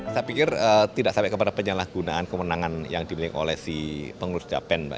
saya pikir tidak sampai kepada penyalahgunaan kemenangan yang dimiliki oleh si pengurus japen